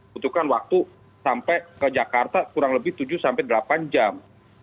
butuhkan waktu sampai ke jakarta kurang lebih tujuh sampai delapan jam